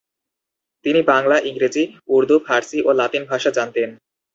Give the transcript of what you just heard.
তিনি বাংলা, ইংরেজি, উর্দু, ফার্সি ও লাতিন ভাষা জানতেন।